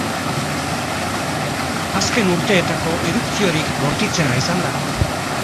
Azken urteetako erupziorik bortitzena izan da.